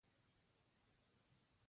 خو په دې شرط چې کشر زوی یې ولیعهد ومنل شي.